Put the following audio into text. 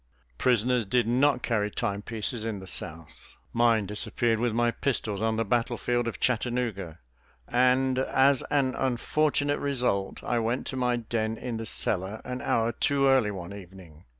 Prisoners did not carry timepieces in the South. Mine disappeared with my pistols on the battlefield of Chattanooga, and as an unfortunate result I went to my den in the cellar an hour too early one evening.